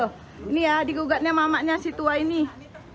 oh ini ya digugatnya mamaknya si tua ini